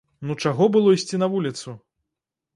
Ну чаго было ісці на вуліцу?